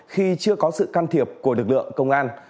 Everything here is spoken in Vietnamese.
khi chưa có sự can thiệp của lực lượng công an